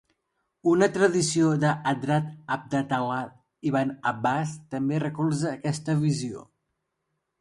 Una tradició de Hadrat Abd-Al·lah ibn Abbàs també recolza aquesta visió.